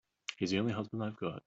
He's the only husband I've got.